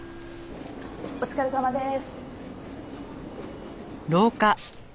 お疲れさまです。